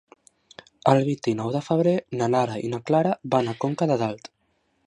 El vint-i-nou de febrer na Lara i na Clara van a Conca de Dalt.